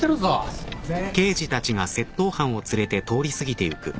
すいません。